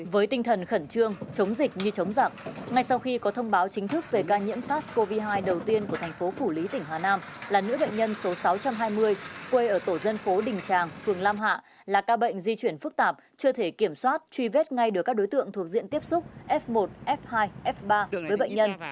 với tinh thần khẩn trương chống dịch như chống giặc ngay sau khi có thông báo chính thức về ca nhiễm sars cov hai đầu tiên của thành phố phủ lý tỉnh hà nam là nữ bệnh nhân số sáu trăm hai mươi quê ở tổ dân phố đình tràng phường lam hạ là ca bệnh di chuyển phức tạp chưa thể kiểm soát truy vết ngay được các đối tượng thuộc diện tiếp xúc f một f hai f ba với bệnh nhân